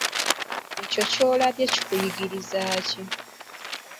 Ekyo ky'olabye kikuyigiriza ki?